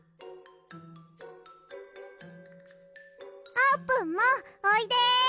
あーぷんもおいで。